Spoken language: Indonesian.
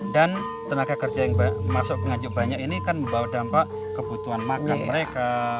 dan tenaga kerja yang masuk ke nganjuk banyak ini kan membawa dampak kebutuhan makan mereka